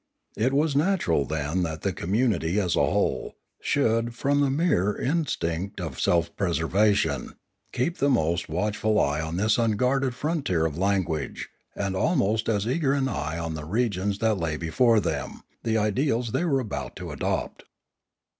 It was natural then that the com munity, as a whole, should, from the mere instinct of self preservation, keep the most watchful eye on this unguarded frontier of language, and almost as eager an eye on the regions that lay before them, the ideals they were about to adopt.